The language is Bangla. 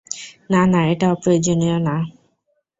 না, না, এটা অপ্রয়োজনীয় না!